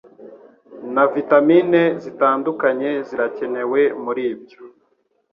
na vitamin zitandukanye zirakenewe Muri byo